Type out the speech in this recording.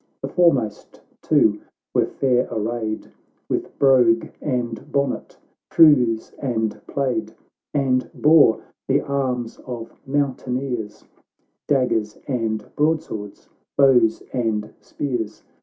The foremost two were fair arrayed, With brogue and bonnet, trews and plaid, And bore the arms of mountaineers, Daggers and broadswords, bows and spears.